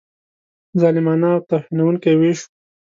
ظالمانه او توهینونکی وېش وو.